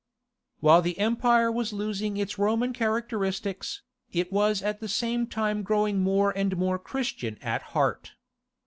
While the empire was losing its Roman characteristics, it was at the same time growing more and more Christian at heart.